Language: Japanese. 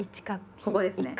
ここですね。